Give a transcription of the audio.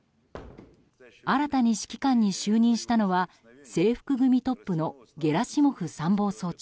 新たに指揮官に就任したのは制服組トップのゲラシモフ参謀総長。